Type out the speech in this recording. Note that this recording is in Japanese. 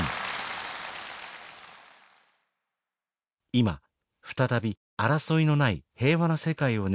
今再び争いのない平和な世界を願い歌います。